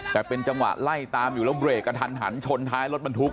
แต่เป็นจังหวะไล่ตามอยู่แล้วเบรกกระทันหันชนท้ายรถบรรทุก